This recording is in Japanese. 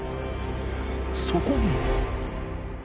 そこに